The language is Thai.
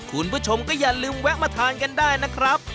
คุณผู้ชมก็อย่าลืมแวะมาทานกันได้นะครับ